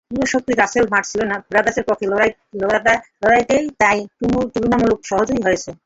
পুরো শক্তির রাসেল মাঠে ছিল না, ব্রাদার্সের পক্ষে লড়াইটা তাই তুলনামূলক সহজই হয়েছে।